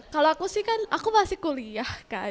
kalau aku sih kan aku masih kuliah kan